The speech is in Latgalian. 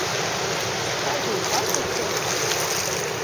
Kai tū pasaceit?